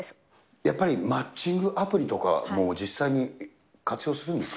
やっぱりマッチングアプリとか、実際に活用するんですか。